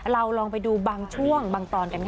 ลองไปดูบางช่วงบางตอนกันค่ะ